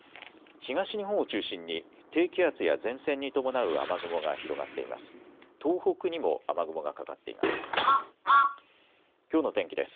東日本を中心に低気圧や前線に伴う雨雲が広がっています。